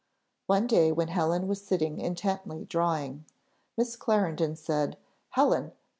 One day when Helen was sitting intently drawing, Miss Clarendon said "Helen!"